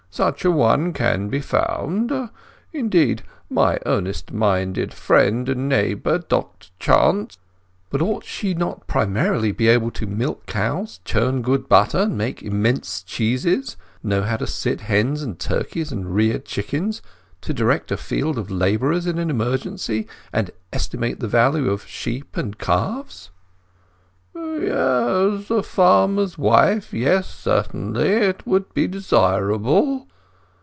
Such an one can be found; indeed, my earnest minded friend and neighbour, Dr Chant—" "But ought she not primarily to be able to milk cows, churn good butter, make immense cheeses; know how to sit hens and turkeys and rear chickens, to direct a field of labourers in an emergency, and estimate the value of sheep and calves?" "Yes; a farmer's wife; yes, certainly. It would be desirable."